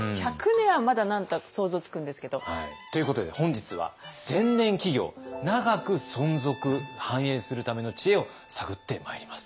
１００年はまだ何か想像つくんですけど。ということで本日は千年企業長く存続・繁栄するための知恵を探ってまいります。